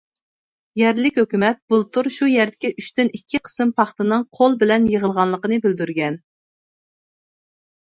يەرلىك ھۆكۈمەت بۇلتۇر شۇ يەردىكى ئۈچتىن ئىككى قىسىم پاختىنىڭ قول بىلەن يىغىلغانلىقىنى بىلدۈرگەن.